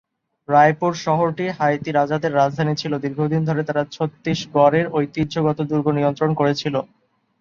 রায়পুর শহরটি হাইতি রাজাদের রাজধানী ছিল, দীর্ঘদিন ধরে তারা ছত্তিশগড়ের ঐতিহ্যগত দুর্গ নিয়ন্ত্রণ করেছিল।